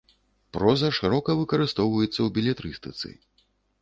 Проза шырока выкарыстоўваецца ў белетрыстыцы.